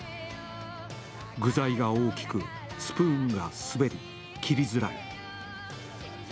具材が大きくスプーンが滑って切りづらい。